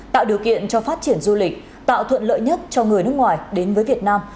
tạo điều kiện cho phát triển du lịch tạo thuận lợi nhất cho người nước ngoài đến với việt nam